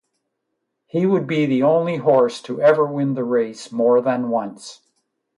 He would be the only horse to ever win the race more than once.